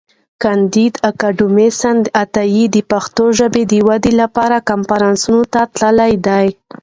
کانديد اکاډميسن عطایي د پښتو ژبي د ودي لپاره کنفرانسونو ته تللی دی.